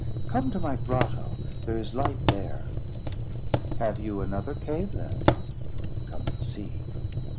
Come to my grotto. There is light there." "Have you another cave, then?" "Come and see."